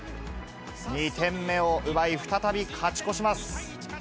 ２点目を奪い、再び勝ち越します。